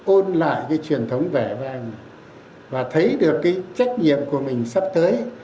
ôn lại cái truyền thống vẻ vang và thấy được cái trách nhiệm của mình sắp tới